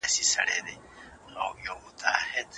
ژمي د ونو ټولې پاڼې په ځمکه رژولې وې.